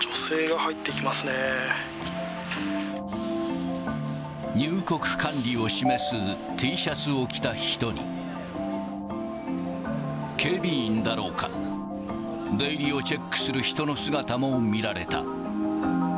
入国管理を示すＴシャツを着た人に、警備員だろうか、出入りをチェックする人の姿も見られた。